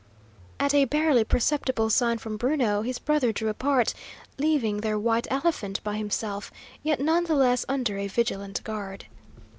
At a barely perceptible sign from Bruno, his brother drew apart, leaving their "white elephant" by himself, yet none the less under a vigilant guard.